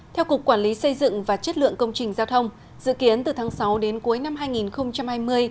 theo cục quản lý xây dựng và chất lượng công trình giao thông dự kiến từ tháng sáu đến cuối năm hai nghìn hai mươi